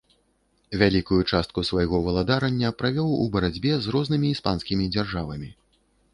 Вялікую частку свайго валадарання правёў у барацьбе з рознымі іспанскімі дзяржавамі.